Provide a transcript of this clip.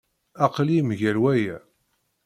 Aql-iyi mgal waya.